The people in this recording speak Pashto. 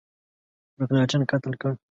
مکناټن قتل کړ.